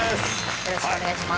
よろしくお願いします。